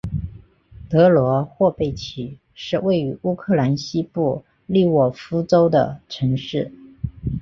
德罗霍贝奇是位于乌克兰西部利沃夫州的城市。